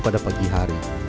pada pagi hari